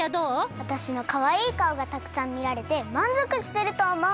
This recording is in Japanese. わたしのかわいいかおがたくさんみられてまんぞくしてるとおもう。